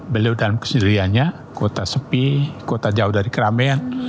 seribu sembilan ratus tiga puluh delapan beliau dalam kesendiriannya kota sepi kota jauh dari keramaian